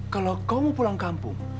kalau kau mau pulang kampung